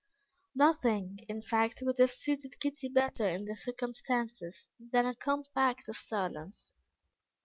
Nothing, in fact, could have suited Kitty better, in the circumstances, than a compact of silence.